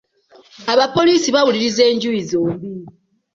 Abapoliisi bawuliriza enjuyi zombi.